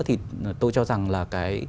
thì tôi cho rằng là cái